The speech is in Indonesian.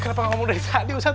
kenapa kamu dari tadi ustadz